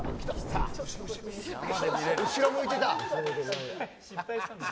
後ろ向いてた。